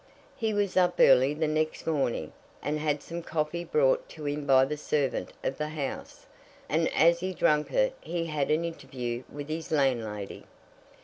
He was up early the next morning, and had some coffee brought to him by the servant of the house, and as he drank it he had an interview with his landlady.